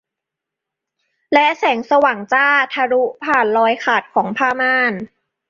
และแสงสว่างจ้าทะลุผ่านรอยขาดของผ้าม่าน